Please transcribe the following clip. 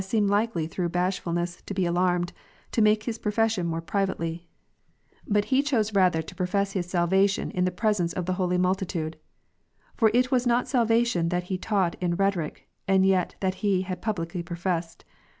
] 138 Joy, by one universal latVf alarmed) to make his profession more privately: but he chose rather to profess his salvation in the presence of the holy multitude. " For it was not salvation that he taught in rhe toric, and yet that he had publicly professed.